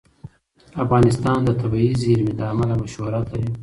افغانستان د طبیعي زیرمې له امله شهرت لري.